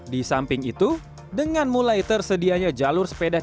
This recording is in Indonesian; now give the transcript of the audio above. di samping itu dengan mulai tersedianya jalur sepeda